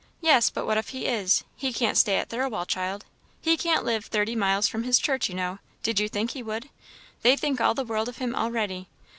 "Yes; but what if he is? he can't stay at Thirlwall, child he can't live thirty miles from his church, you know did you think he would? They think all the world of him already.